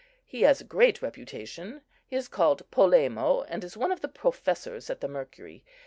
He has a great reputation, he is called Polemo, and is one of the professors at the Mercury.